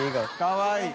かわいい